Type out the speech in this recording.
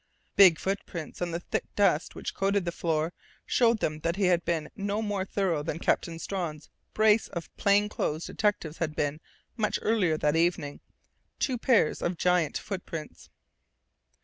Big footprints on the thick dust which coated the floor showed him that he was being no more thorough than Captain Strawn's brace of plainclothes detectives had been much earlier that evening. Two pairs of giant footprints....